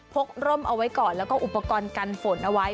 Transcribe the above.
กร่มเอาไว้ก่อนแล้วก็อุปกรณ์กันฝนเอาไว้